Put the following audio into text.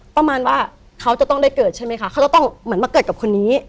ประมาณว่าเขาจะต้องได้เกิดใช่ไหมคะเขาจะต้องเหมือนมาเกิดกับคนนี้